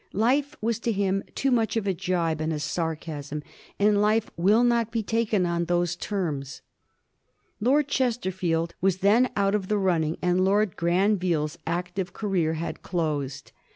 Life was to him too much of a gibe and a sarcasm, and life will not be taken on those terms. Lord Chesterfield was then out of the running, and Lord Granville's active career had closed.